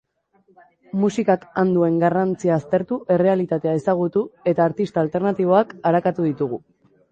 Musikak han duen garrantzia aztertu, errealitatea ezagutu eta artista alternatiboak arakatu ditugu.